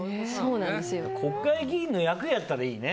国会議員の役をやったらいいね。